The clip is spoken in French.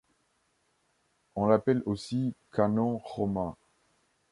On l'appelle aussi canon romain.